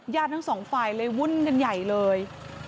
ทั้งสองฝ่ายเลยวุ่นกันใหญ่เลย